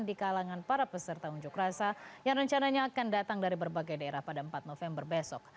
di kalangan para peserta unjuk rasa yang rencananya akan datang dari berbagai daerah pada empat november besok